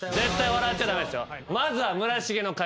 まずは。